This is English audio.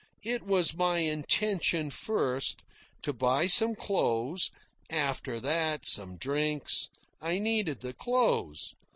It was my intention, first, to buy me some clothes, after that, some drinks. I needed the clothes.